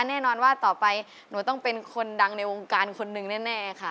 แน่นอนว่าต่อไปหนูต้องเป็นคนดังในวงการคนหนึ่งแน่ค่ะ